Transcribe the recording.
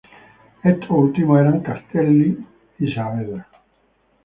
Estos últimos eran Castelli y Saavedra.